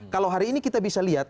kalau hari ini kita bisa lihat